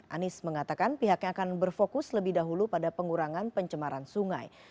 anies mengatakan pihaknya akan berfokus lebih dahulu pada pengurangan pencemaran sungai